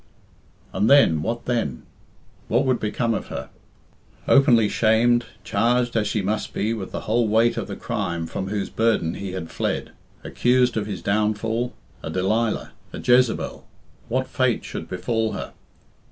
And then what then? What would become of her? Openly shamed, charged, as she must be, with the whole weight of the crime from whose burden he had fled, accused of his downfall, a Delilah, a Jezebel, what fate should befall her?